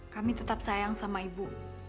kami tetap sayang sama ibu